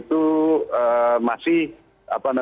kita masih berpikir pikir